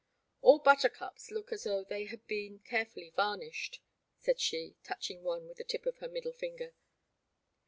All buttercups look as though they had been carefully varnished," said she, touching one with the tip of her middle finger.